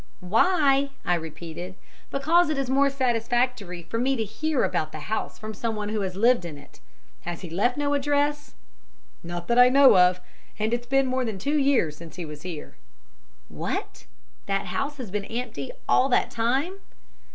"Why!" I repeated. "Because it is more satisfactory to me to hear about the house from someone who has lived in it. Has he left no address?" "Not that I know of, and it's more than two years since he was here." "What! The house has been empty all that time?"